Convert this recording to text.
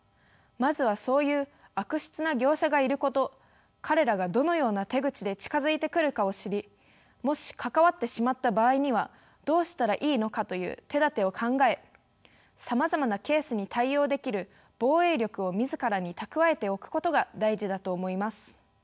まずはそういう悪質な業者がいること彼らがどのような手口で近づいてくるかを知りもし関わってしまった場合にはどうしたらいいのかという手だてを考えさまざまなケースに対応できる防衛力を自らに蓄えておくことが大事だと思います。